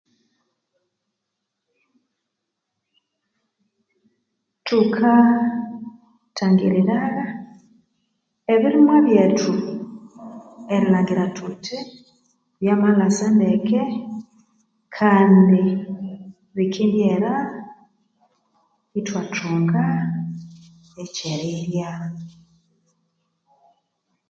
Tukatangirira ebirimwa byethu erilhangira thuthi byamalhasa ndeke Kandi ebyera itwatunga ekyerirya